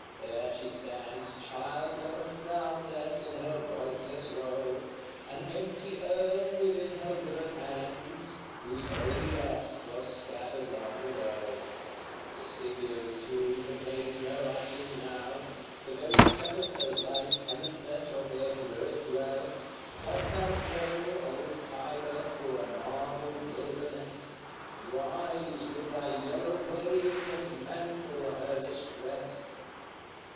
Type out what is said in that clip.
there she stands, Childless and crownless, in her voiceless woe; An empty urn within her withered hands, Whose holy dust was scattered long ago; The Scipios' tomb contains no ashes now; The very sepulchres lie tenantless Of their heroic dwellers: dost thou flow, Old Tiber! through a marble wilderness? Rise, with thy yellow waves, and mantle her distress!